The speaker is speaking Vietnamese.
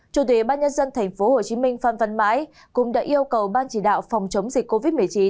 chủ tịch ban nhân dân tp hcm phan văn mãi cũng đã yêu cầu ban chỉ đạo phòng chống dịch covid một mươi chín